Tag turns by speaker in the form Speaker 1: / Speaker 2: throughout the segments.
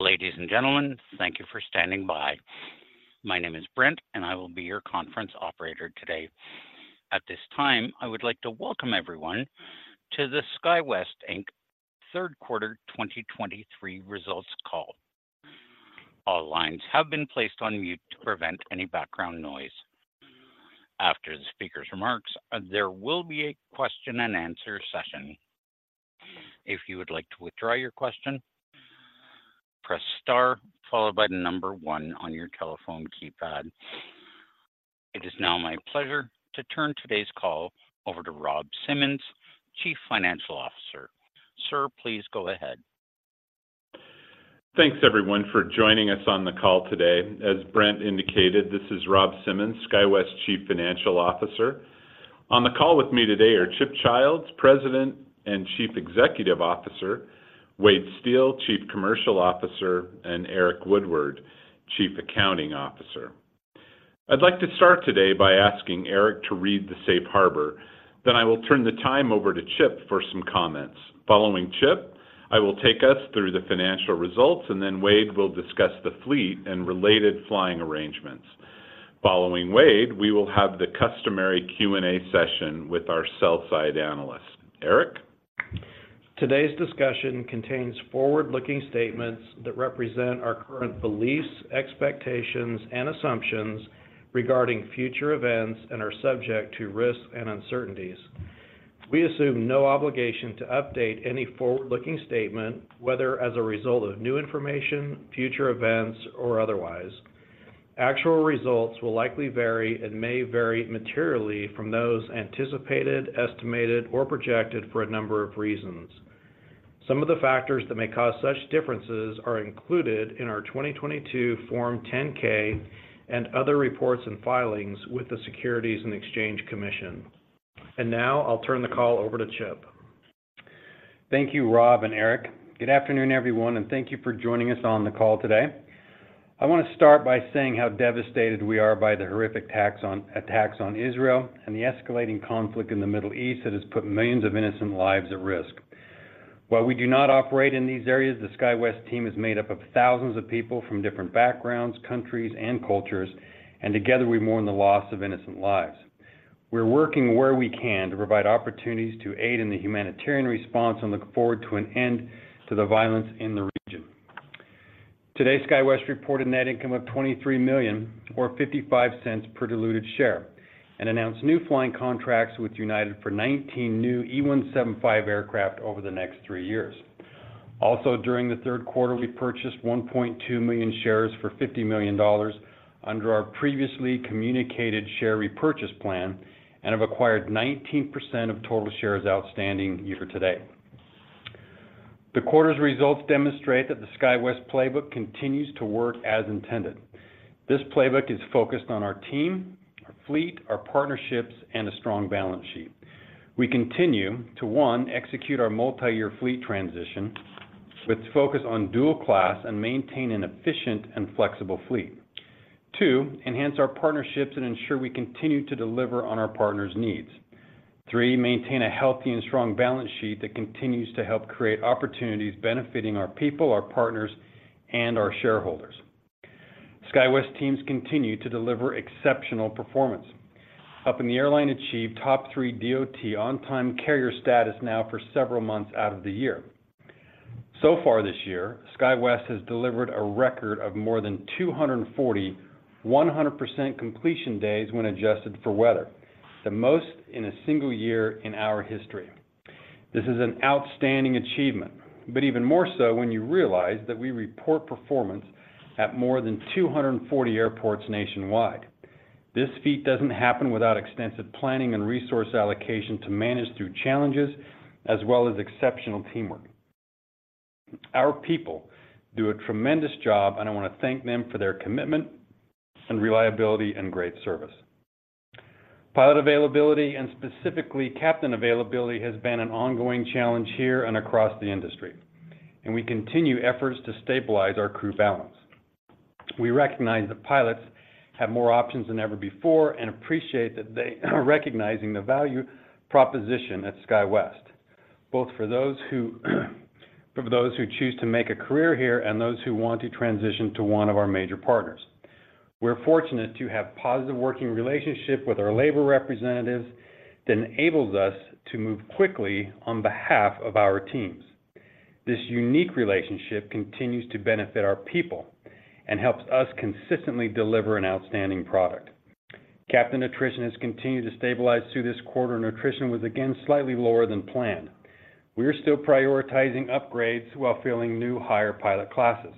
Speaker 1: Ladies and gentlemen, thank you for standing by. My name is Brent, and I will be your conference operator today. At this time, I would like to welcome everyone to the SkyWest, Inc. third quarter 2023 results call. All lines have been placed on mute to prevent any background noise. After the speaker's remarks, there will be a question-and-answer session. If you would like to withdraw your question, press star followed by the number one on your telephone keypad. It is now my pleasure to turn today's call over to Rob Simmons, Chief Financial Officer. Sir, please go ahead.
Speaker 2: Thanks, everyone, for joining us on the call today. As Brent indicated, this is Rob Simmons, SkyWest Chief Financial Officer. On the call with me today are Chip Childs, President and Chief Executive Officer, Wade Steele, Chief Commercial Officer, and Eric Woodward, Chief Accounting Officer. I'd like to start today by asking Eric to read the Safe Harbor. Then I will turn the time over to Chip for some comments. Following Chip, I will take us through the financial results, and then Wade will discuss the fleet and related flying arrangements. Following Wade, we will have the customary Q&A session with our sell-side analyst. Eric?
Speaker 3: Today's discussion contains forward-looking statements that represent our current beliefs, expectations, and assumptions regarding future events and are subject to risks and uncertainties. We assume no obligation to update any forward-looking statement, whether as a result of new information, future events, or otherwise. Actual results will likely vary and may vary materially from those anticipated, estimated, or projected for a number of reasons. Some of the factors that may cause such differences are included in our 2022 Form 10-K and other reports and filings with the Securities and Exchange Commission. And now I'll turn the call over to Chip.
Speaker 4: Thank you, Rob and Eric. Good afternoon, everyone, and thank you for joining us on the call today. I want to start by saying how devastated we are by the horrific attacks on Israel and the escalating conflict in the Middle East that has put millions of innocent lives at risk. While we do not operate in these areas, the SkyWest team is made up of thousands of people from different backgrounds, countries, and cultures, and together, we mourn the loss of innocent lives. We're working where we can to provide opportunities to aid in the humanitarian response and look forward to an end to the violence in the region. Today, SkyWest reported net income of $23 million or $0.55 per diluted share and announced new flying contracts with United for 19 new E175 aircraft over the next 3 years. Also, during the third quarter, we purchased 1.2 million shares for $50 million under our previously communicated share repurchase plan and have acquired 19% of total shares outstanding year-to-date. The quarter's results demonstrate that the SkyWest playbook continues to work as intended. This playbook is focused on our team, our fleet, our partnerships, and a strong balance sheet. We continue to, one, execute our multi-year fleet transition with focus on dual class and maintain an efficient and flexible fleet. Two, enhance our partnerships and ensure we continue to deliver on our partners' needs. Three, maintain a healthy and strong balance sheet that continues to help create opportunities benefiting our people, our partners, and our shareholders. SkyWest teams continue to deliver exceptional performance, helping the airline achieve top three DOT on-time carrier status now for several months out of the year. So far this year, SkyWest has delivered a record of more than 240 100% completion days when adjusted for weather, the most in a single year in our history. This is an outstanding achievement, but even more so when you realize that we report performance at more than 240 airports nationwide. This feat doesn't happen without extensive planning and resource allocation to manage through challenges, as well as exceptional teamwork. Our people do a tremendous job, and I want to thank them for their commitment and reliability and great service. Pilot availability, and specifically captain availability, has been an ongoing challenge here and across the industry, and we continue efforts to stabilize our crew balance. We recognize that pilots have more options than ever before and appreciate that they are recognizing the value proposition at SkyWest, both for those who choose to make a career here and those who want to transition to one of our major partners. We're fortunate to have positive working relationship with our labor representatives that enables us to move quickly on behalf of our teams. This unique relationship continues to benefit our people and helps us consistently deliver an outstanding product. Captain attrition has continued to stabilize through this quarter, and attrition was again slightly lower than planned. We are still prioritizing upgrades while filling new hire pilot classes,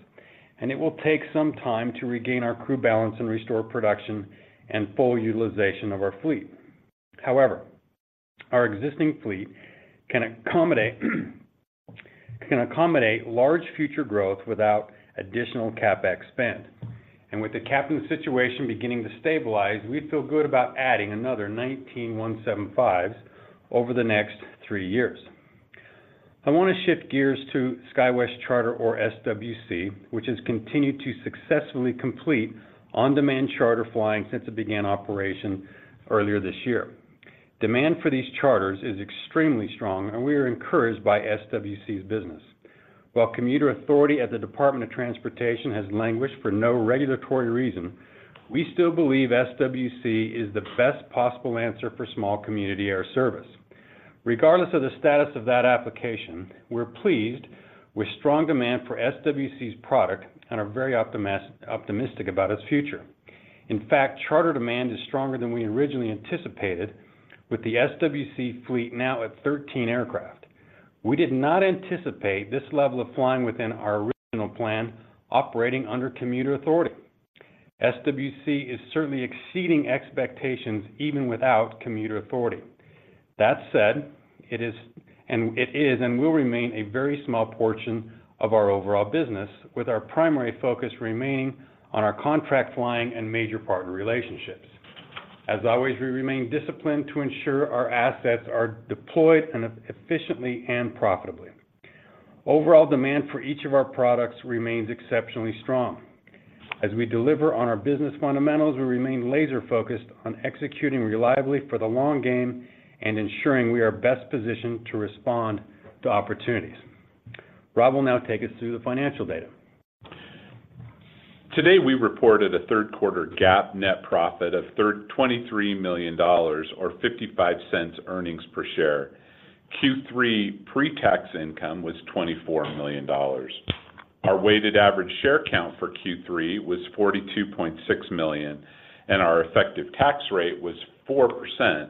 Speaker 4: and it will take some time to regain our crew balance and restore production and full utilization of our fleet. However, our existing fleet can accommodate large future growth without additional CapEx spend. With the captain situation beginning to stabilize, we feel good about adding another 19 E175s over the next three years. I want to shift gears to SkyWest Charter or SWC, which has continued to successfully complete on-demand charter flying since it began operation earlier this year. Demand for these charters is extremely strong, and we are encouraged by SWC's business. While commuter authority at the Department of Transportation has languished for no regulatory reason, we still believe SWC is the best possible answer for small community air service. Regardless of the status of that application, we're pleased with strong demand for SWC's product and are very optimistic about its future. In fact, charter demand is stronger than we originally anticipated, with the SWC fleet now at 13 aircraft. We did not anticipate this level of flying within our original plan operating under commuter authority. SWC is certainly exceeding expectations, even without commuter authority. That said, it is and will remain a very small portion of our overall business, with our primary focus remaining on our contract flying and major partner relationships. As always, we remain disciplined to ensure our assets are deployed efficiently and profitably. Overall demand for each of our products remains exceptionally strong. As we deliver on our business fundamentals, we remain laser-focused on executing reliably for the long game and ensuring we are best positioned to respond to opportunities. Rob will now take us through the financial data.
Speaker 2: Today, we reported a third quarter GAAP net profit of $23 million, or $0.55 earnings per share. Q3 pre-tax income was $24 million. Our weighted average share count for Q3 was 42.6 million, and our effective tax rate was 4%,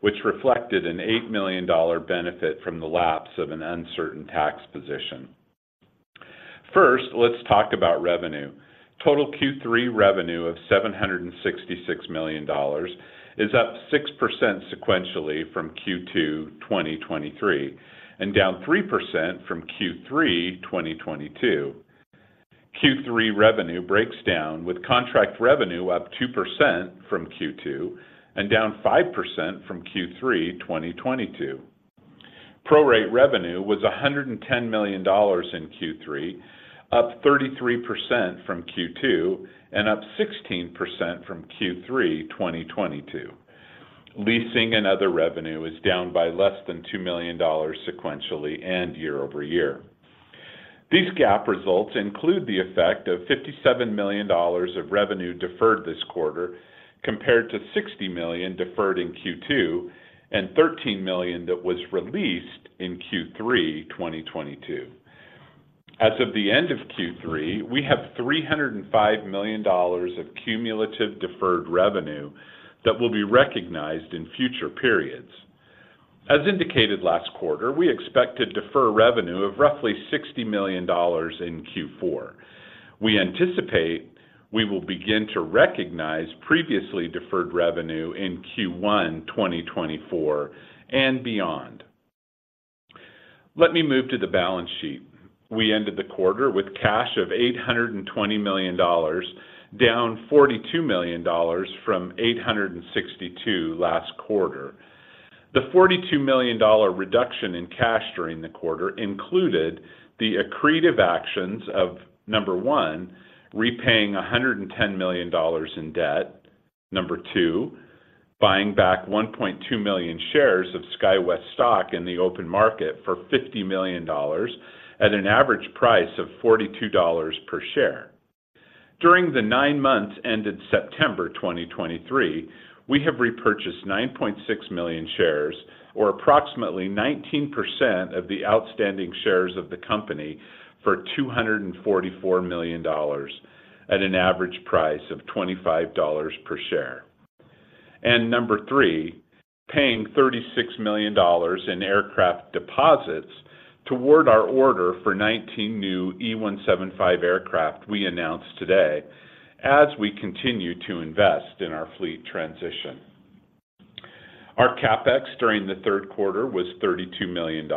Speaker 2: which reflected an $8 million benefit from the lapse of an uncertain tax position. First, let's talk about revenue. Total Q3 revenue of $766 million is up 6% sequentially from Q2 2023 and down 3% from Q3 2022. Q3 revenue breaks down, with contract revenue up 2% from Q2 and down 5% from Q3 2022. Prorate revenue was $110 million in Q3, up 33% from Q2 and up 16% from Q3 2022. Leasing and other revenue is down by less than $2 million sequentially and year-over-year. These GAAP results include the effect of $57 million of revenue deferred this quarter, compared to $60 million deferred in Q2 and $13 million that was released in Q3 2022. As of the end of Q3, we have $305 million of cumulative deferred revenue that will be recognized in future periods. As indicated last quarter, we expect to defer revenue of roughly $60 million in Q4. We anticipate we will begin to recognize previously deferred revenue in Q1 2024 and beyond. Let me move to the balance sheet. We ended the quarter with cash of $820 million, down $42 million from $862 million last quarter. The $42 million reduction in cash during the quarter included the accretive actions of, number one, repaying $110 million in debt. Number two, buying back 1.2 million shares of SkyWest stock in the open market for $50 million at an average price of $42 per share. During the nine months ended September 2023, we have repurchased 9.6 million shares, or approximately 19% of the outstanding shares of the company, for $244 million at an average price of $25 per share. Number three, paying $36 million in aircraft deposits toward our order for 19 new E175 aircraft we announced today, as we continue to invest in our fleet transition. Our CapEx during the third quarter was $32 million.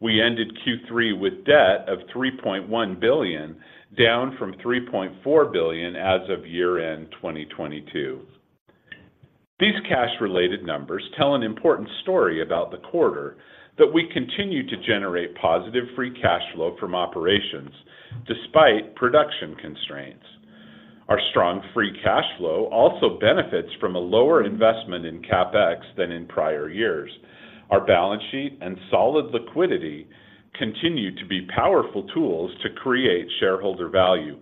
Speaker 2: We ended Q3 with debt of $3.1 billion, down from $3.4 billion as of year-end 2022. These cash-related numbers tell an important story about the quarter, that we continue to generate positive free cash flow from operations despite production constraints. Our strong free cash flow also benefits from a lower investment in CapEx than in prior years. Our balance sheet and solid liquidity continue to be powerful tools to create shareholder value,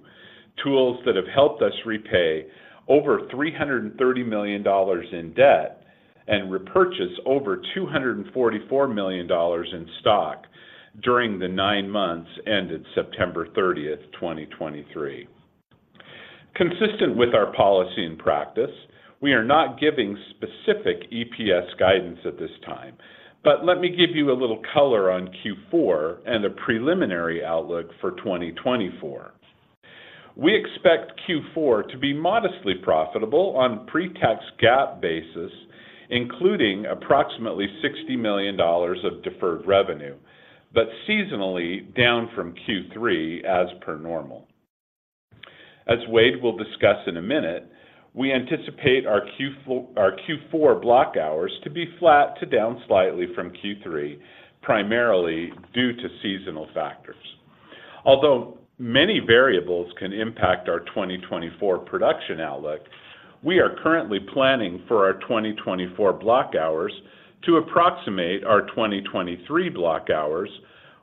Speaker 2: tools that have helped us repay over $330 million in debt and repurchase over $244 million in stock during the nine months ended September 30th, 2023. Consistent with our policy and practice, we are not giving specific EPS guidance at this time, but let me give you a little color on Q4 and a preliminary outlook for 2024. We expect Q4 to be modestly profitable on pre-tax GAAP basis, including approximately $60 million of deferred revenue, but seasonally down from Q3 as per normal. As Wade will discuss in a minute, we anticipate our Q4 block hours to be flat to down slightly from Q3, primarily due to seasonal factors. Although many variables can impact our 2024 production outlook, we are currently planning for our 2024 block hours to approximate our 2023 block hours,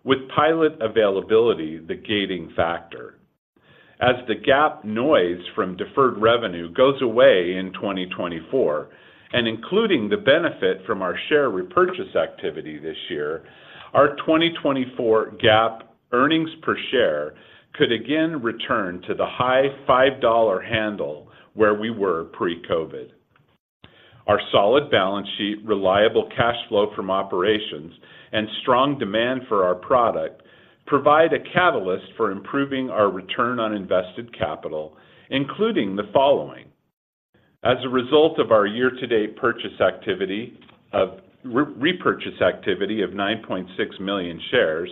Speaker 2: with pilot availability the gating factor. As the GAAP noise from deferred revenue goes away in 2024, and including the benefit from our share repurchase activity this year, our 2024 GAAP earnings per share could again return to the high $5 handle where we were pre-COVID. Our solid balance sheet, reliable cash flow from operations, and strong demand for our product provide a catalyst for improving our return on invested capital, including the following. As a result of our year-to-date repurchase activity of 9.6 million shares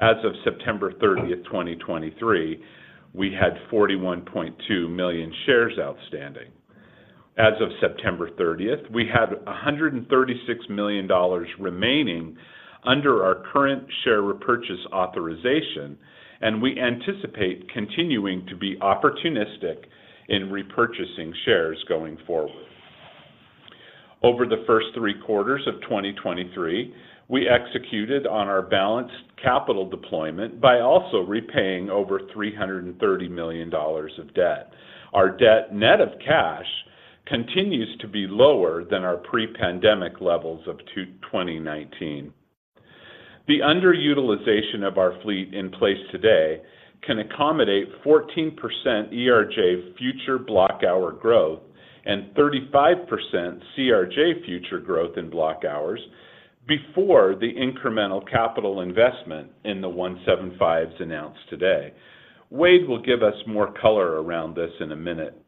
Speaker 2: as of September 30th, 2023, we had 41.2 million shares outstanding. As of September 30th, we had $136 million remaining under our current share repurchase authorization, and we anticipate continuing to be opportunistic in repurchasing shares going forward. Over the first three quarters of 2023, we executed on our balanced capital deployment by also repaying over $330 million of debt. Our debt, net of cash, continues to be lower than our pre-pandemic levels of 2019. The underutilization of our fleet in place today can accommodate 14% ERJ future block hour growth and 35% CRJ future growth in block hours before the incremental capital investment in the 175s announced today. Wade will give us more color around this in a minute.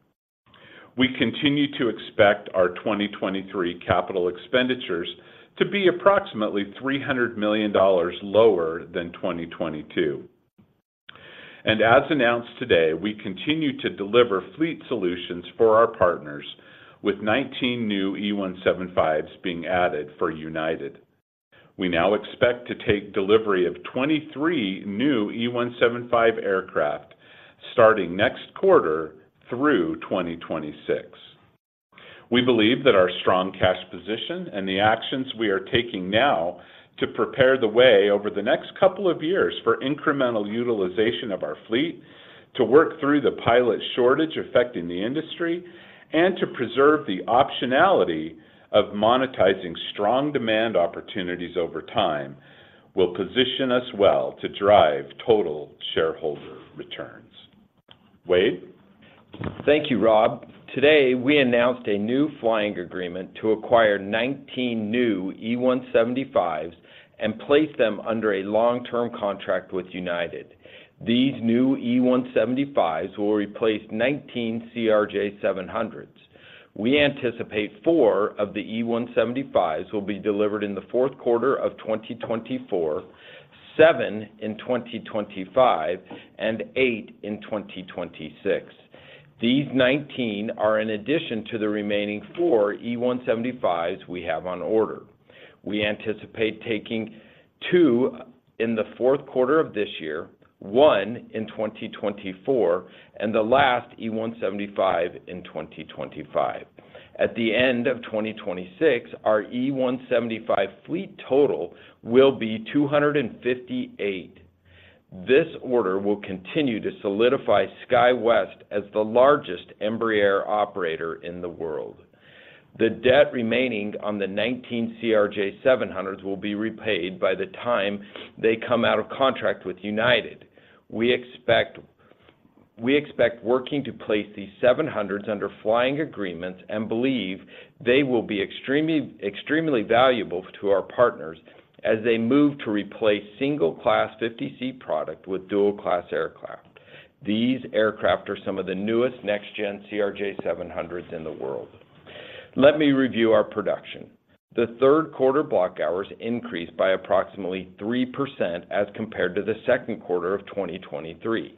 Speaker 2: We continue to expect our 2023 capital expenditures to be approximately $300 million lower than 2022. And as announced today, we continue to deliver fleet solutions for our partners with 19 new E175s being added for United. We now expect to take delivery of 23 new E175 aircraft starting next quarter through 2026. We believe that our strong cash position and the actions we are taking now to prepare the way over the next couple of years for incremental utilization of our fleet, to work through the pilot shortage affecting the industry, and to preserve the optionality of monetizing strong demand opportunities over time, will position us well to drive total shareholder returns. Wade?
Speaker 5: Thank you, Rob. Today, we announced a new flying agreement to acquire 19 new E175s and place them under a long-term contract with United. These new E175s will replace 19 CRJ700s. We anticipate four of the E175s will be delivered in the fourth quarter of 2024, seven in 2025, and eight in 2026. These 19 are in addition to the remaining four E175s we have on order. We anticipate taking two in the fourth quarter of this year, one in 2024, and the last E175 in 2025. At the end of 2026, our E175 fleet total will be 258. This order will continue to solidify SkyWest as the largest Embraer operator in the world. The debt remaining on the 19 CRJ700s will be repaid by the time they come out of contract with United. We expect working to place these 700s under flying agreements and believe they will be extremely valuable to our partners as they move to replace single-class 50-seat product with dual-class aircraft. These aircraft are some of the newest next-gen CRJ700s in the world. Let me review our production. The third quarter block hours increased by approximately 3% as compared to the second quarter of 2023.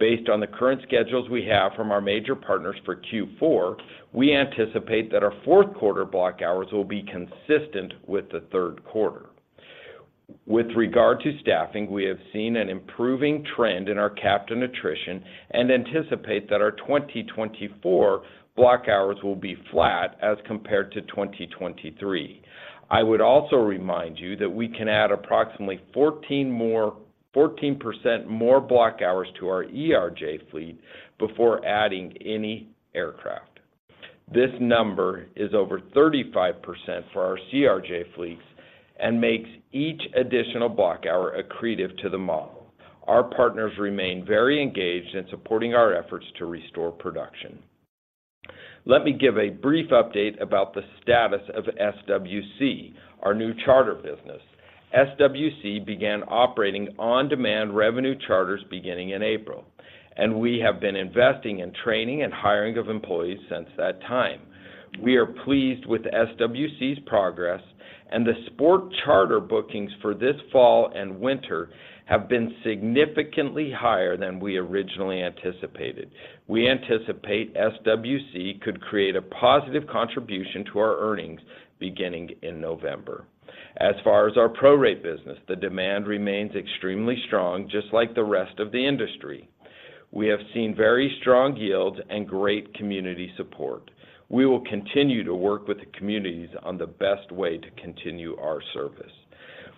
Speaker 5: Based on the current schedules we have from our major partners for Q4, we anticipate that our fourth quarter block hours will be consistent with the third quarter. With regard to staffing, we have seen an improving trend in our captain attrition and anticipate that our 2024 block hours will be flat as compared to 2023. I would also remind you that we can add approximately 14% more block hours to our ERJ fleet before adding any aircraft. This number is over 35% for our CRJ fleets and makes each additional block hour accretive to the model. Our partners remain very engaged in supporting our efforts to restore production. Let me give a brief update about the status of SWC, our new charter business. SWC began operating on-demand revenue charters beginning in April, and we have been investing in training and hiring of employees since that time. We are pleased with SWC's progress, and the sport charter bookings for this fall and winter have been significantly higher than we originally anticipated. We anticipate SWC could create a positive contribution to our earnings beginning in November. As far as our prorate business, the demand remains extremely strong, just like the rest of the industry. We have seen very strong yields and great community support. We will continue to work with the communities on the best way to continue our service.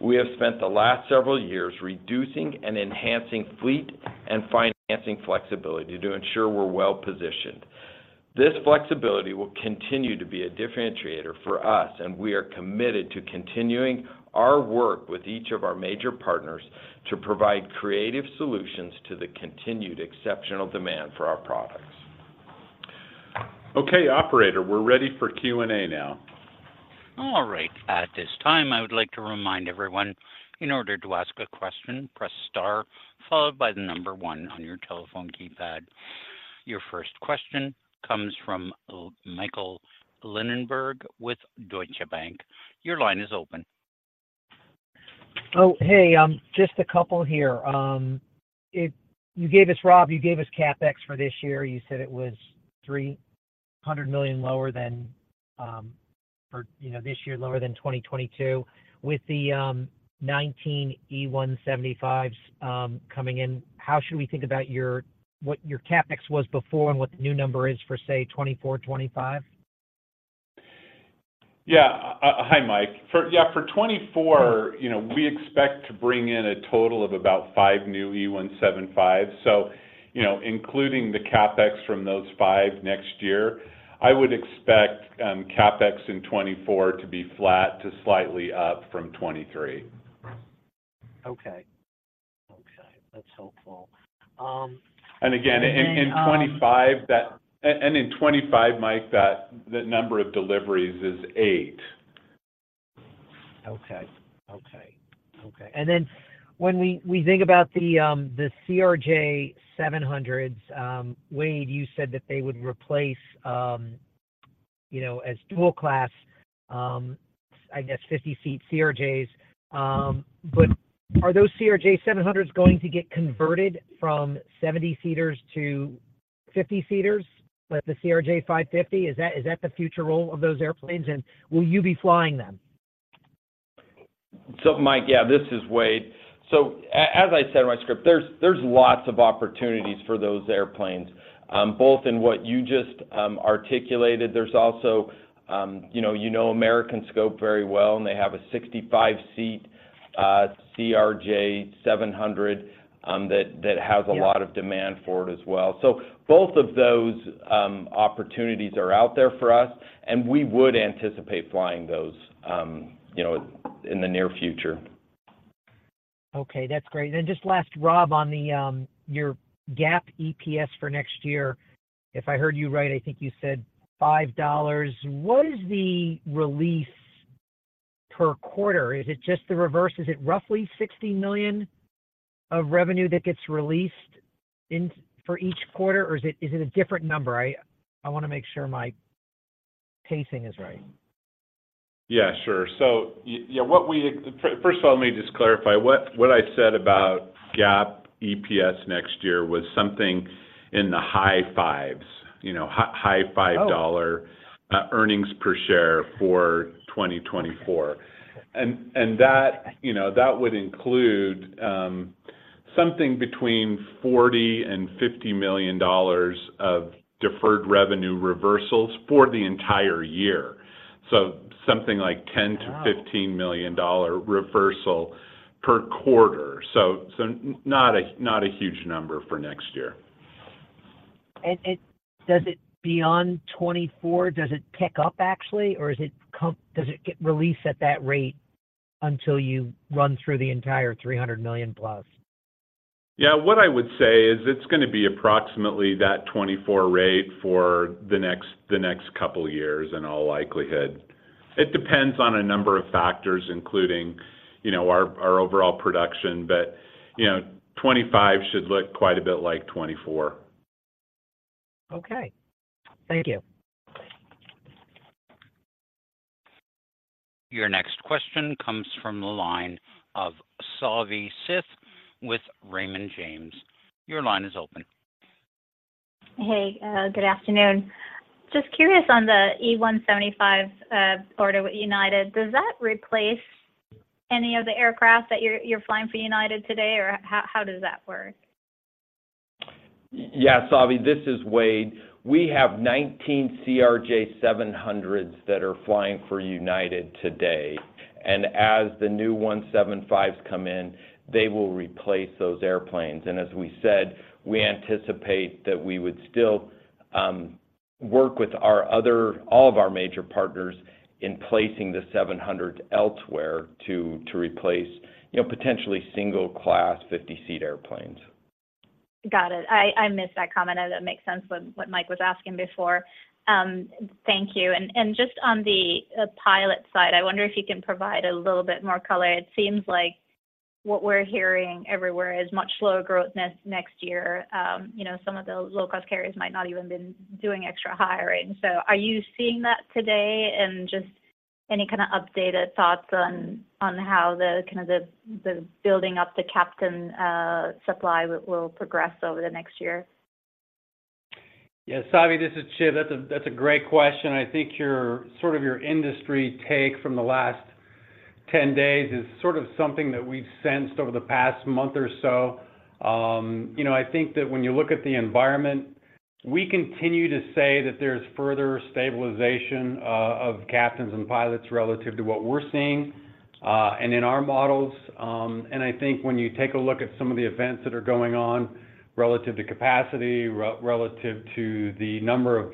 Speaker 5: We have spent the last several years reducing and enhancing fleet and financing flexibility to ensure we're well-positioned. This flexibility will continue to be a differentiator for us, and we are committed to continuing our work with each of our major partners to provide creative solutions to the continued exceptional demand for our products. Okay, operator, we're ready for Q&A now.
Speaker 1: All right. At this time, I would like to remind everyone, in order to ask a question, press star followed by the number one on your telephone keypad. Your first question comes from, Michael Linenberg with Deutsche Bank. Your line is open.
Speaker 6: Oh, hey, just a couple here. You gave us, Rob, you gave us CapEx for this year. You said it was $300 million lower than, you know, this year, lower than 2022. With the 19 E175s coming in, how should we think about what your CapEx was before and what the new number is for, say, 2024, 2025?
Speaker 2: Yeah. Hi, Mike. Yeah, for 2024, you know, we expect to bring in a total of about five new E175s. So, you know, including the CapEx from those five next year, I would expect CapEx in 2024 to be flat to slightly up from 2023.
Speaker 6: Okay. Okay, that's helpful. And then,
Speaker 2: And again, in 2025, Mike, that the number of deliveries is eight.
Speaker 6: Okay, and then when we think about the CRJ700s, Wade, you said that they would replace, you know, as dual-class, I guess 50-seat CRJs. But are those CRJ700s going to get converted from 70-seaters to 50-seaters, like the CRJ550? Is that the future role of those airplanes, and will you be flying them?
Speaker 5: So Mike, yeah, this is Wade. So as I said in my script, there's lots of opportunities for those airplanes, both in what you just articulated. There's also, you know, American scope very well, and they have a 65-seat CRJ700, that-
Speaker 6: Yeah
Speaker 5: Has a lot of demand for it as well. So both of those, opportunities are out there for us, and we would anticipate flying those, you know, in the near future.
Speaker 6: Okay, that's great. Just last, Rob, on your GAAP EPS for next year, if I heard you right, I think you said $5. What is the release per quarter? Is it just the reverse? Is it roughly $60 million of revenue that gets released for each quarter, or is it a different number? I want to make sure my pacing is right.
Speaker 2: Yeah, sure. Yeah, first of all, let me just clarify. What I said about GAAP EPS next year was something in the high fives, you know, high $5-
Speaker 6: Oh
Speaker 2: Earnings per share for 2024. And that, you know, that would include something between $40 million and $50 million of deferred revenue reversals for the entire year. So something like $10-
Speaker 6: Wow
Speaker 2: $15 million reversal per quarter. So, not a huge number for next year.
Speaker 6: Does it, beyond 2024, pick up actually, or does it get released at that rate until you run through the entire $300 million?
Speaker 2: Yeah, what I would say is it's gonna be approximately that 2024 rate for the next couple of years, in all likelihood. It depends on a number of factors, including, you know, our overall production. But, you know, 2025 should look quite a bit like 2024.
Speaker 6: Okay. Thank you.
Speaker 1: Your next question comes from the line of Savi Syth with Raymond James. Your line is open.
Speaker 7: Hey, good afternoon. Just curious on the E175 order with United, does that replace any of the aircraft that you're flying for United today, or how does that work?
Speaker 5: Yeah, Savi, this is Wade. We have 19 CRJ700s that are flying for United today, and as the new E175s come in, they will replace those airplanes. And as we said, we anticipate that we would still work with all of our major partners in placing the 700s elsewhere to replace, you know, potentially single-class, 50-seat airplanes.
Speaker 7: Got it. I missed that comment, and that makes sense with what Mike was asking before. Thank you. And just on the pilot side, I wonder if you can provide a little bit more color. It seems like what we're hearing everywhere is much slower growth next year. You know, some of the low-cost carriers might not even been doing extra hiring. So are you seeing that today? And just any kind of updated thoughts on how the kind of the building up the captain supply will progress over the next year?
Speaker 4: Yeah, Savi, this is Chip. That's a great question. I think your industry take from the last 10 days is something that we've sensed over the past month or so. You know, I think that when you look at the environment, we continue to say that there's further stabilization of captains and pilots relative to what we're seeing and in our models. I think when you take a look at some of the events that are going on relative to capacity, relative to the number of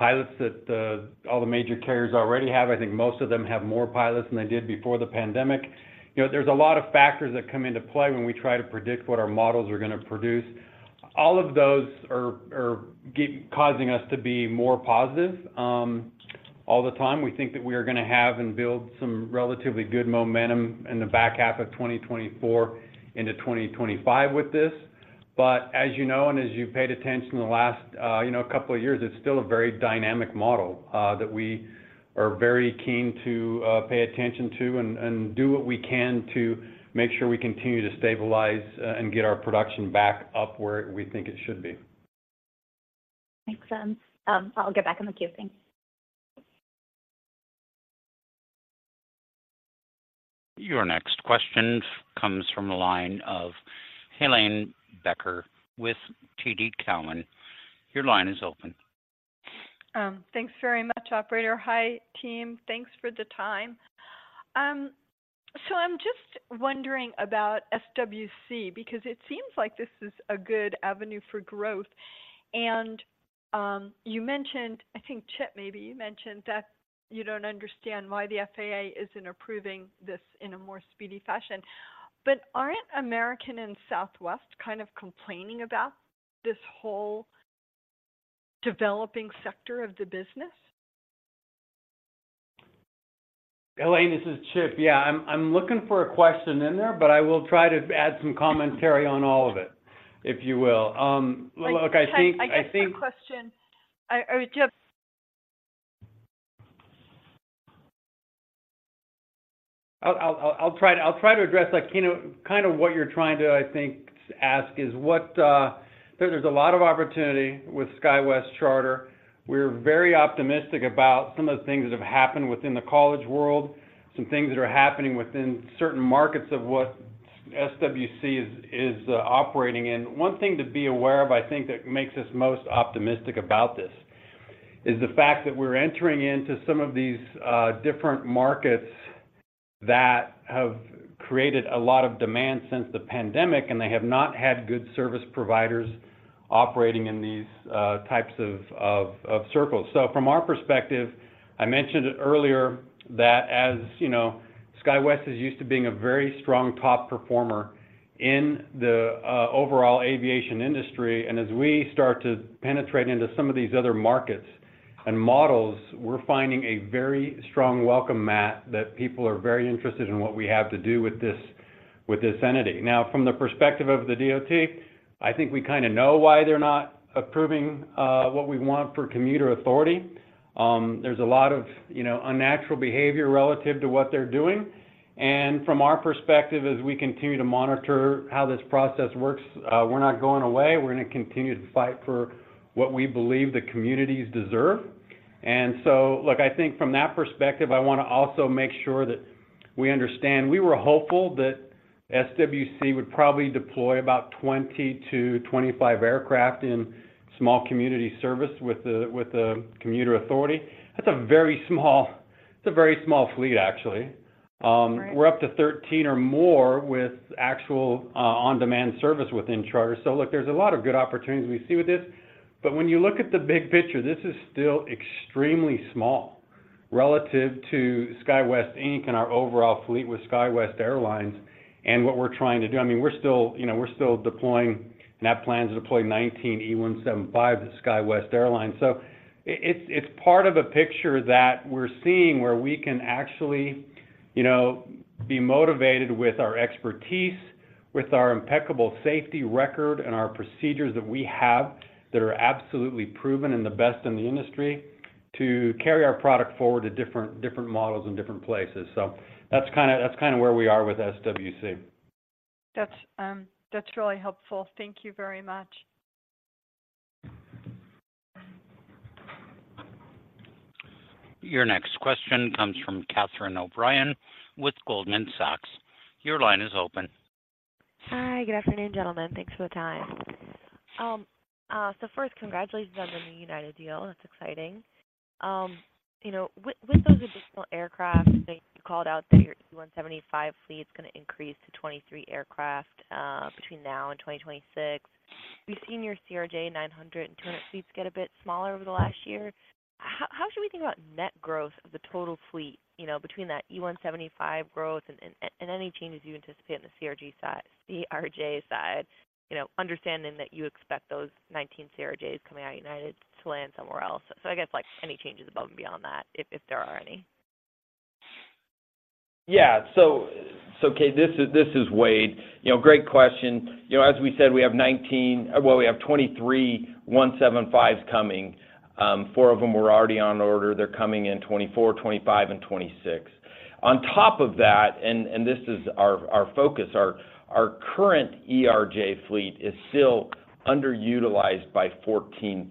Speaker 4: pilots that all the major carriers already have, I think most of them have more pilots than they did before the pandemic. You know, there's a lot of factors that come into play when we try to predict what our models are going to produce. All of those are causing us to be more positive all the time. We think that we are going to have and build some relatively good momentum in the back half of 2024 into 2025 with this. But as you know, and as you've paid attention in the last, you know, couple of years, it's still a very dynamic model that we are very keen to pay attention to and do what we can to make sure we continue to stabilize and get our production back up where we think it should be.
Speaker 7: Thanks, I'll get back on the queue. Thanks.
Speaker 1: Your next question comes from the line of Helane Becker with TD Cowen. Your line is open.
Speaker 8: Thanks very much, operator. Hi, team. Thanks for the time. I'm just wondering about SWC, because it seems like this is a good avenue for growth. And, you mentioned, I think, Chip, maybe you mentioned that you don't understand why the FAA isn't approving this in a more speedy fashion. But aren't American and Southwest kind of complaining about this whole developing sector of the business?
Speaker 4: Helane, this is Chip. Yeah, I'm looking for a question in there, but I will try to add some commentary on all of it, if you will. Look, I think-
Speaker 8: I guess my question, I just-
Speaker 4: I'll try to address, like, you know, kind of what you're trying to, I think, ask is what... There's a lot of opportunity with SkyWest Charter. We're very optimistic about some of the things that have happened within the college world, some things that are happening within certain markets of what SWC is operating in. One thing to be aware of, I think, that makes us most optimistic about this, is the fact that we're entering into some of these different markets that have created a lot of demand since the pandemic, and they have not had good service providers operating in these types of circles. So from our perspective, I mentioned earlier that as you know, SkyWest is used to being a very strong top performer in the overall aviation industry. As we start to penetrate into some of these other markets and models, we're finding a very strong welcome mat that people are very interested in what we have to do with this entity. Now, from the perspective of the DOT, I think we kinda know why they're not approving what we want for commuter authority. There's a lot of, you know, unnatural behavior relative to what they're doing. And from our perspective, as we continue to monitor how this process works, we're not going away. We're going to continue to fight for what we believe the communities deserve. I think from that perspective, I want to also make sure that we understand. We were hopeful that SWC would probably deploy about 20 aircraft-25 aircraft in small community service with the commuter authority. That's a very small, it's a very small fleet, actually.
Speaker 8: Right.
Speaker 4: We're up to 13 or more with actual on-demand service within charter. So look, there's a lot of good opportunities we see with this, but when you look at the big picture, this is still extremely small relative to SkyWest, Inc. and our overall fleet with SkyWest Airlines and what we're trying to do. I mean, we're still, you know, we're still deploying, and have plans to deploy 19 E175 to SkyWest Airlines. So it's, it's part of a picture that we're seeing where we can actually, you know, be motivated with our expertise, with our impeccable safety record, and our procedures that we have that are absolutely proven and the best in the industry, to carry our product forward to different, different models and different places. So that's kinda, that's kinda where we are with SWC.
Speaker 8: That's, that's really helpful. Thank you very much.
Speaker 1: Your next question comes from Catherine O'Brien with Goldman Sachs. Your line is open.
Speaker 9: Hi, good afternoon, gentlemen. Thanks for the time. So first, congratulations on the new United deal. That's exciting. You know, with those additional aircraft, they called out that your E175 fleet is going to increase to 23 aircraft between now and 2026. We've seen your CRJ900 and CRJ200 fleets get a bit smaller over the last year. How should we think about net growth of the total fleet, you know, between that E175 growth and any changes you anticipate on the CRJ side, you know, understanding that you expect those 19 CRJs coming out of United to land somewhere else. So I guess, like, any changes above and beyond that, if there are any?
Speaker 5: Yeah. So, Cate, this is Wade. You know, great question. You know, as we said, we have 23 175s coming. Four of them were already on order. They're coming in 2024, 2025, and 2026. On top of that, and this is our focus, our current ERJ fleet is still underutilized by 14%,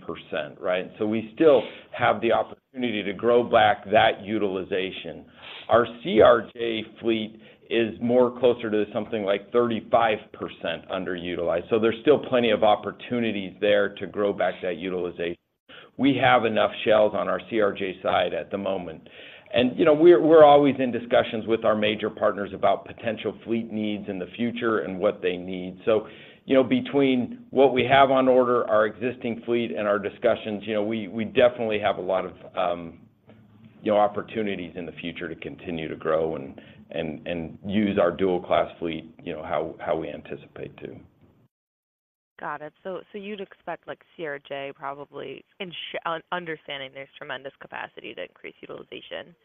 Speaker 5: right? You know, we still have the opportunity to grow back that utilization. Our CRJ fleet is more closer to something like 35% underutilized, so there's still plenty of opportunities there to grow back that utilization. We have enough shells on our CRJ side at the moment. You know, we're always in discussions with our major partners about potential fleet needs in the future and what they need. You know, between what we have on order, our existing fleet, and our discussions, you know, we definitely have a lot of, you know, opportunities in the future to continue to grow and use our dual-class fleet, you know, how we anticipate to.
Speaker 9: Got it. So you'd expect, like, CRJ probably, understanding there's tremendous capacity to increase utilization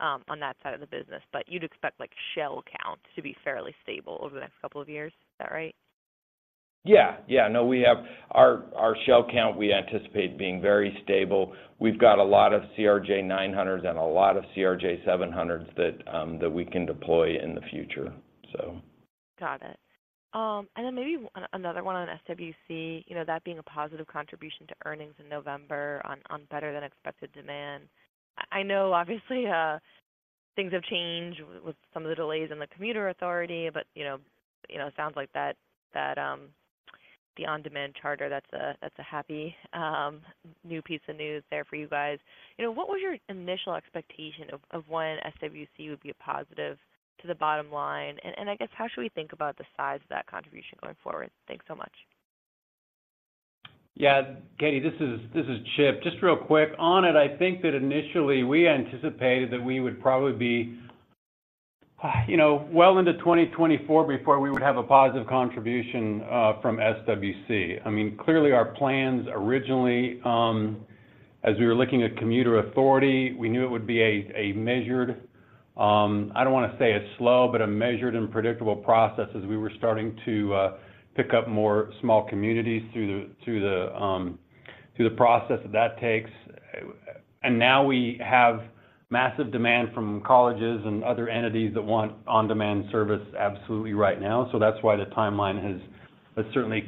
Speaker 9: on that side of the business, but you'd expect, like, shell count to be fairly stable over the next couple of years. Is that right?
Speaker 5: Yeah. Yeah. No, we have... Our, our shell count, we anticipate being very stable. We've got a lot of CRJ900s and a lot of CRJ700s that we can deploy in the future.
Speaker 9: Got it. And then maybe another one on SWC, you know, that being a positive contribution to earnings in November on better than expected demand. I know, obviously, things have changed with some of the delays in the commuter authority, but, you know, it sounds like that the on-demand charter, that's a, that's a happy new piece of news there for you guys. You know, what was your initial expectation of when SWC would be a positive to the bottom line? And I guess, how should we think about the size of that contribution going forward? Thanks so much.
Speaker 4: Yeah, Catie, this is Chip. Just real quick. On it, I think that initially we anticipated that we would probably be, you know, well into 2024 before we would have a positive contribution from SWC. I mean, clearly, our plans originally, as we were looking at commuter authority, we knew it would be a measured, I don't wanna say a slow, but a measured and predictable process as we were starting to pick up more small communities through the process that that takes. And now we have massive demand from colleges and other entities that want on-demand service absolutely right now, so that's why the timeline has certainly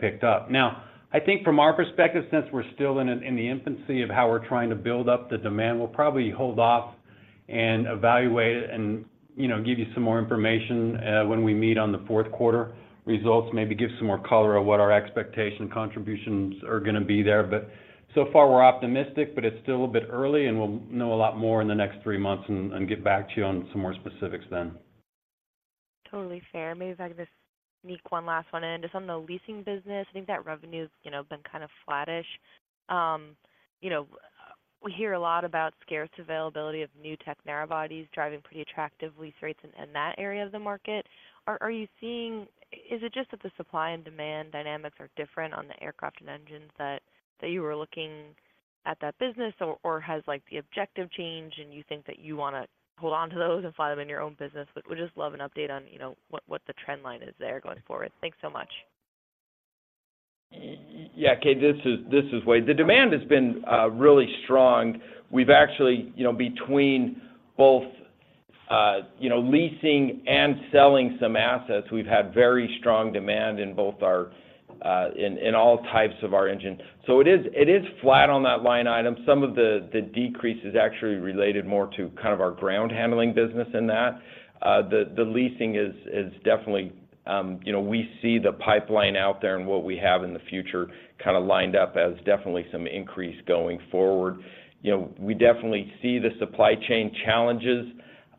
Speaker 4: picked up. Now, I think from our perspective, since we're still in the infancy of how we're trying to build up the demand, we'll probably hold off and evaluate it and, you know, give you some more information when we meet on the fourth quarter results, maybe give some more color on what our expectation contributions are gonna be there. But so far, we're optimistic, but it's still a bit early, and we'll know a lot more in the next three months and get back to you on some more specifics then.
Speaker 9: Totally fair. Maybe if I could just sneak one last one in. Just on the leasing business, I think that revenue's, you know, been kind of flattish. You know, we hear a lot about scarce availability of new tech narrow bodies driving pretty attractive lease rates in, in that area of the market. Are you seeing— Is it just that the supply and demand dynamics are different on the aircraft and engines that you were looking at that business, or has, like, the objective changed and you think that you wanna hold on to those and fly them in your own business? But would just love an update on, you know, what the trend line is there going forward. Thanks so much.
Speaker 5: Yeah, Cate, this is Wade. The demand has been really strong. We've actually, you know, between both, you know, leasing and selling some assets, we've had very strong demand in both our, in all types of our engines. So it is flat on that line item. Some of the decrease is actually related more to kind of our ground handling business in that. The leasing is definitely, you know, we see the pipeline out there and what we have in the future kinda lined up as definitely some increase going forward. You know, we definitely see the supply chain challenges,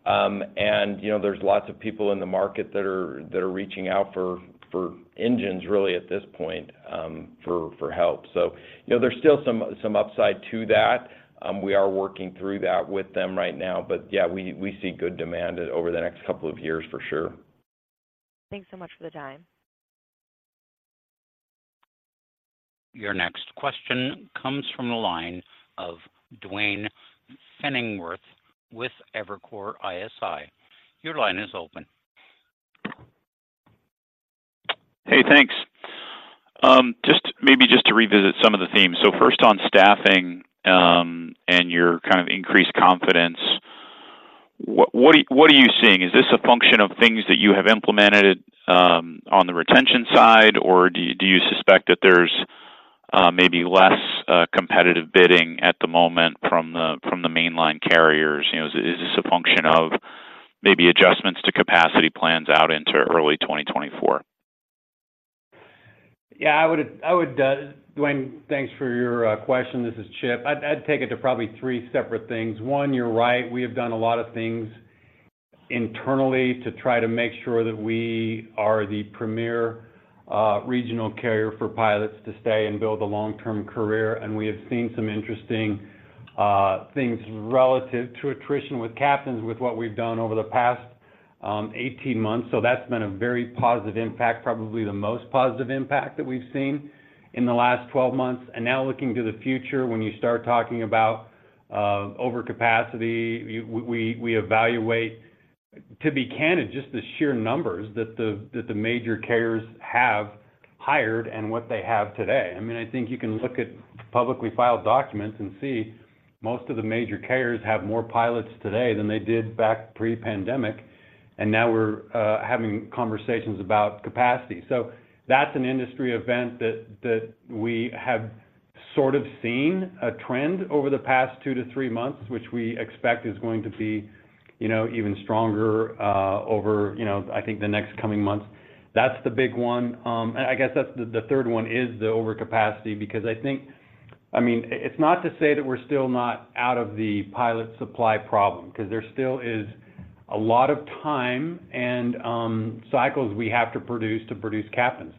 Speaker 5: and, you know, there's lots of people in the market that are reaching out for engines, really, at this point, for help. You know, there's still some upside to that. We are working through that with them right now. But, yeah, we see good demand over the next couple of years, for sure.
Speaker 9: Thanks so much for the time.
Speaker 1: Your next question comes from the line of Duane Pfennigwerth with Evercore ISI. Your line is open.
Speaker 10: Hey, thanks. Just maybe just to revisit some of the themes. So first on staffing and your kind of increased confidence, what are you seeing? Is this a function of things that you have implemented on the retention side, or do you suspect that there's maybe less competitive bidding at the moment from the mainline carriers? You know, is this a function of maybe adjustments to capacity plans out into early 2024?
Speaker 4: Yeah, I would, Duane, thanks for your question. This is Chip. I'd take it to probably three separate things. One, you're right, we have done a lot of things internally to try to make sure that we are the premier regional carrier for pilots to stay and build a long-term career, and we have seen some interesting things relative to attrition with captains, with what we've done over the past 18 months. So that's been a very positive impact, probably the most positive impact that we've seen in the last 12 months. And now looking to the future, when you start talking about overcapacity, we evaluate, to be candid, just the sheer numbers that the major carriers have hired and what they have today. I mean, I think you can look at publicly filed documents and see most of the major carriers have more pilots today than they did back pre-pandemic, and now we're having conversations about capacity. That's an industry event that we have sort of seen a trend over the past two to three months, which we expect is going to be, you know, even stronger over, you know, I think the next coming months. That's the big one. I guess the third one is the overcapacity, because I think-- I mean, it's not to say that we're still not out of the pilot supply problem, 'cause there still is a lot of time and cycles we have to produce to produce captains.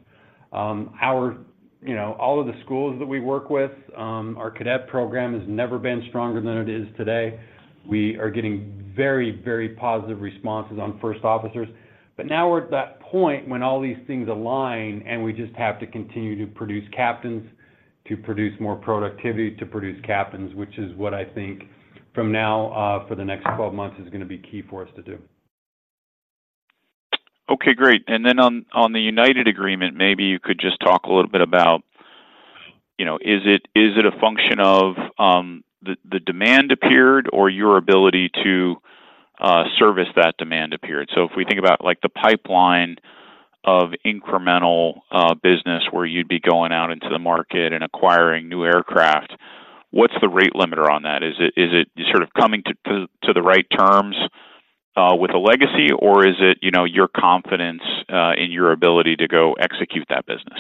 Speaker 4: You know, all of the schools that we work with, our cadet program has never been stronger than it is today. We are getting very, very positive responses on first officers. But now we're at that point when all these things align, and we just have to continue to produce captains, to produce more productivity, to produce captains, which is what I think from now, for the next 12 months, is gonna be key for us to do.
Speaker 10: Okay, great. And then on the United agreement, maybe you could just talk a little bit about, you know, is it a function of the demand appeared or your ability to service that demand appeared? So if we think about, like, the pipeline of incremental business, where you'd be going out into the market and acquiring new aircraft, what's the rate limiter on that? Is it you sort of coming to the right terms with legacy, or is it, you know, your confidence in your ability to go execute that business?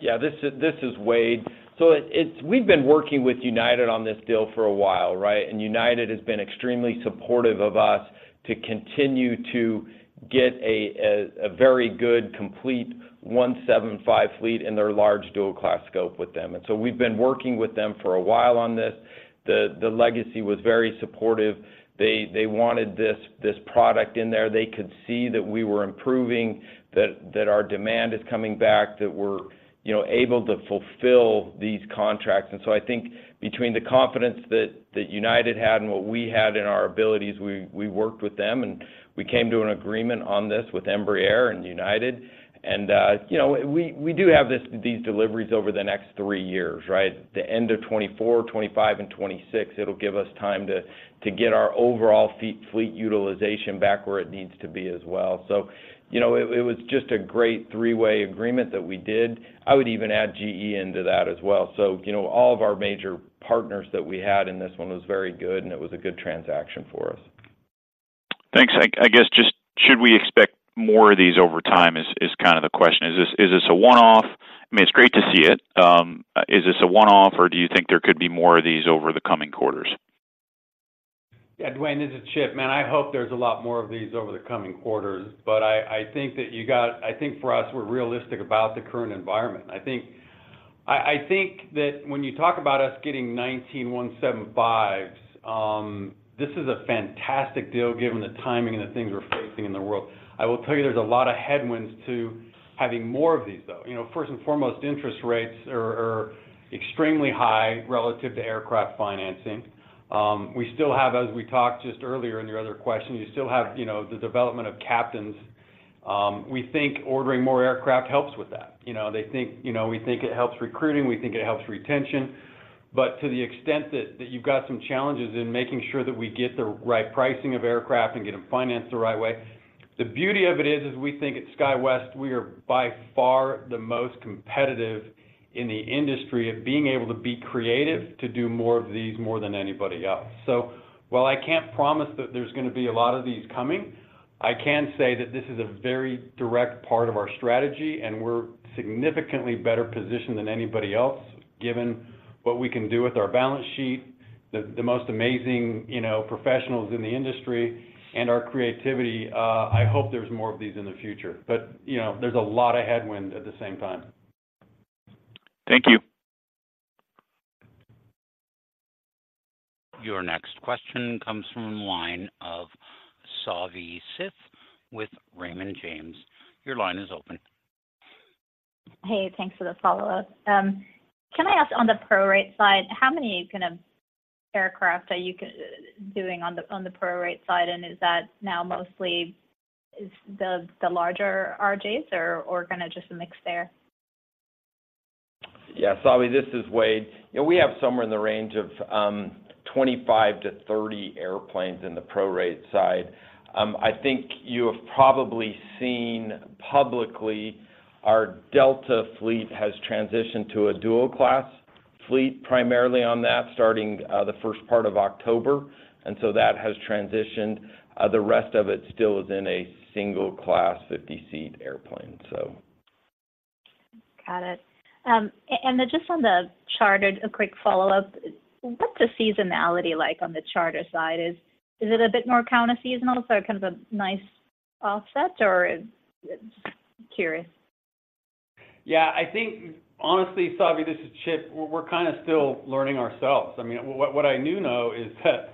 Speaker 5: Yeah, this is Wade. We've been working with United on this deal for a while, right? United has been extremely supportive of us to continue to get a very good, complete 175 fleet in their large dual-class scope with them. We've been working with them for a while on this. The legacy was very supportive. They wanted this product in there. They could see that we were improving, that our demand is coming back, that we're, you know, able to fulfill these contracts. I think between the confidence that United had and what we had in our abilities, we worked with them, and we came to an agreement on this with Embraer and United. And, you know, we do have these deliveries over the next three years, right? The end of 2024, 2025, and 2026. It'll give us time to get our overall fleet utilization back where it needs to be as well. So, you know, it was just a great three-way agreement that we did. I would even add GE into that as well. So, you know, all of our major partners that we had in this one was very good, and it was a good transaction for us.
Speaker 10: Thanks. I guess just should we expect more of these over time is kind of the question. Is this a one-off? I mean, it's great to see it. Is this a one-off, or do you think there could be more of these over the coming quarters?
Speaker 4: Yeah, Duane, this is Chip. Man, I hope there's a lot more of these over the coming quarters. But I think that you got it. I think for us, we're realistic about the current environment. I think that when you talk about us getting 19 E175s, this is a fantastic deal given the timing and the things we're facing in the world. I will tell you, there's a lot of headwinds to having more of these, though. You know, first and foremost, interest rates are extremely high relative to aircraft financing. We still have, as we talked just earlier in your other question, you still have, you know, the development of captains. We think ordering more aircraft helps with that. You know, we think it helps recruiting, we think it helps retention. But to the extent that you've got some challenges in making sure that we get the right pricing of aircraft and get them financed the right way, the beauty of it is we think at SkyWest, we are by far the most competitive in the industry at being able to be creative, to do more of these, more than anybody else. So while I can't promise that there's gonna be a lot of these coming, I can say that this is a very direct part of our strategy, and we're significantly better positioned than anybody else, given what we can do with our balance sheet, the most amazing, you know, professionals in the industry, and our creativity. I hope there's more of these in the future, but, you know, there's a lot of headwind at the same time.
Speaker 10: Thank you.
Speaker 1: Your next question comes from the line of Savi Syth with Raymond James. Your line is open.
Speaker 7: Hey, thanks for the follow-up. Can I ask on the prorate side, how many kind of aircraft are you doing on the prorate side? And is that now mostly the larger RJs or kind of just a mix there?
Speaker 5: Yeah, Savi, this is Wade. You know, we have somewhere in the range of 25 airplanes-30 airplanes in the prorate side. I think you have probably seen publicly, our Delta fleet has transitioned to a dual-class fleet, primarily on that, starting the first part of October, and so that has transitioned. The rest of it still is in a single-class 50-seat airplane, so...
Speaker 7: Got it. And then just on the charter, a quick follow-up. What's the seasonality like on the charter side? Is it a bit more counter seasonal, so kind of a nice offset, or... Just curious?
Speaker 4: Yeah, I think honestly, Savi, this is Chip, we're kind of still learning ourselves. I mean, what I do know is that,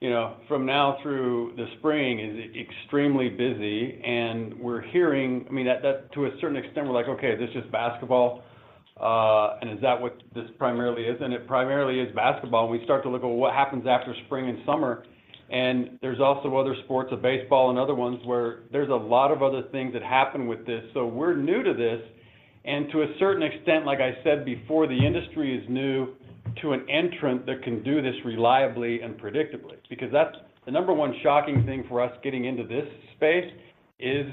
Speaker 4: you know, from now through the spring is extremely busy, and we're hearing. I mean, that to a certain extent, we're like, "Okay, is this just basketball, and is that what this primarily is?" And it primarily is basketball. And we start to look at what happens after spring and summer, and there's also other sports, baseball and other ones, where there's a lot of other things that happen with this. So we're new to this, and to a certain extent, like I said before, the industry is new to an entrant that can do this reliably and predictably. Because that's the number one shocking thing for us getting into this space, is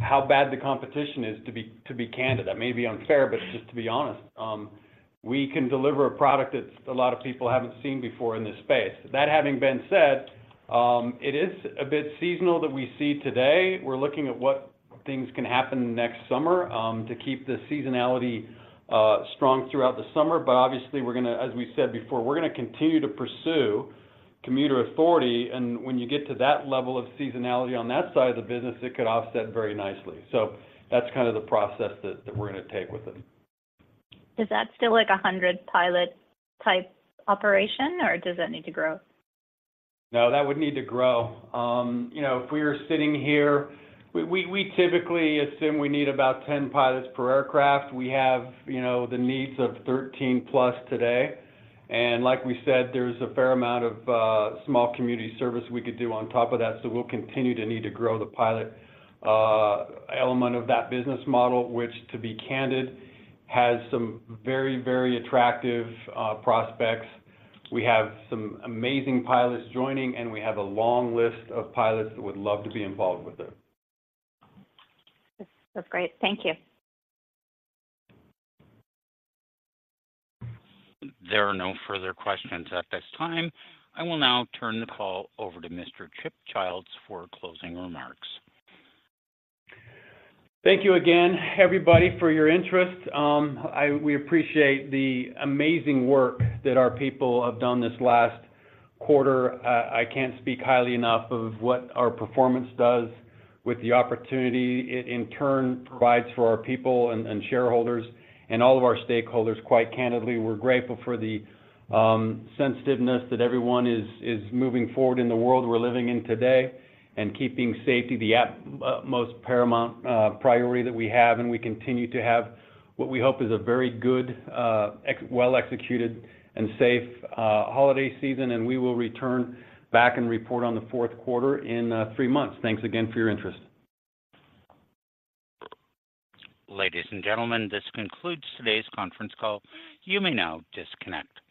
Speaker 4: how bad the competition is, to be candid. That may be unfair, but just to be honest, we can deliver a product that a lot of people haven't seen before in this space. That having been said, it is a bit seasonal that we see today. We're looking at what things can happen next summer to keep the seasonality strong throughout the summer. But obviously, we're gonna, as we said before, we're gonna continue to pursue commuter authority, and when you get to that level of seasonality on that side of the business, it could offset very nicely. So that's kind of the process that we're gonna take with it.
Speaker 7: Is that still like a 100 pilot-type operation, or does that need to grow?
Speaker 4: No, that would need to grow. You know, if we were sitting here, we typically assume we need about 10 pilots per aircraft. We have, you know, the needs of 13+ today, and like we said, there's a fair amount of small community service we could do on top of that, so we'll continue to need to grow the pilot element of that business model, which, to be candid, has some very, very attractive prospects. We have some amazing pilots joining, and we have a long list of pilots that would love to be involved with it.
Speaker 7: That's, that's great. Thank you.
Speaker 1: There are no further questions at this time. I will now turn the call over to Mr. Chip Childs for closing remarks.
Speaker 4: Thank you again, everybody, for your interest. We appreciate the amazing work that our people have done this last quarter. I can't speak highly enough of what our performance does with the opportunity it in turn provides for our people and, and shareholders and all of our stakeholders. Quite candidly, we're grateful for the sensitiveness that everyone is, is moving forward in the world we're living in today, and keeping safety the utmost paramount, priority that we have. We continue to have what we hope is a very good, well-executed and safe, holiday season, and we will return back and report on the fourth quarter in three months. Thanks again for your interest.
Speaker 1: Ladies and gentlemen, this concludes today's conference call. You may now disconnect.